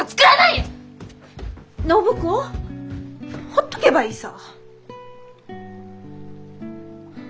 ほっとけばいいさ。